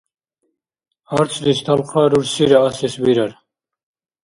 Арцлис талхъа рурсира асес вирар.